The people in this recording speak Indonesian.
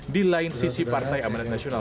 di lain sisi partai amanat nasional